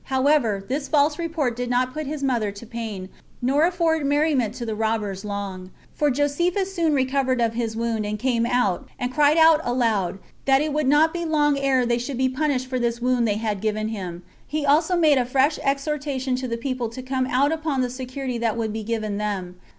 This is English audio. However, this false report did not put his mother to pain, nor afford merriment to the robbers, long; for Josephus soon recovered of his wound, and came out, and cried out aloud, That it would not be long ere they should be punished for this wound they had given him. He also made a fresh exhortation to the people to come out upon the security that would be given them.